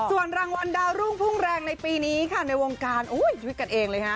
ส่วนรางวัลดาวรุ่งพุ่งแรงในปีนี้ค่ะในวงการชีวิตกันเองเลยค่ะ